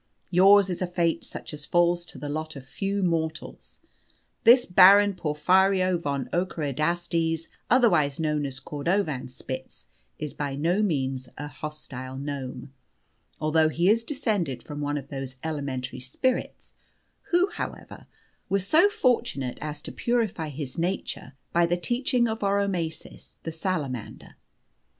Yours is a fate such as falls to the lot of few mortals. This Baron Porphyrio von Ockerodastes, otherwise known as Cordovanspitz, is by no means a hostile gnome, although he is descended from one of those elementary spirits who, however, was so fortunate as to purify his nature by the teaching of Oromasis the Salamander.